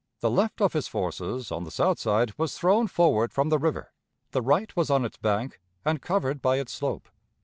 The left of his forces, on the south side, was thrown forward from the river; the right was on its bank, and covered by its slope.